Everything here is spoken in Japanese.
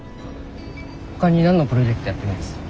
ほかに何のプロジェクトやってるんですか？